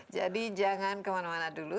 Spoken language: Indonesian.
jadi jangan kemana mana dulu